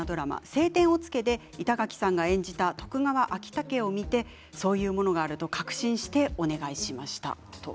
「青天を衝け」で板垣さんが演じた徳川昭武を見てそういうものがあると確信してお願いしました。